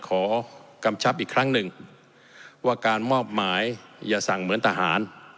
กำชับอีกครั้งหนึ่งว่าการมอบหมายอย่าสั่งเหมือนทหาร